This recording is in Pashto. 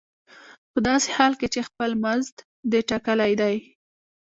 په داسې حال کې چې خپل مزد دې ټاکلی دی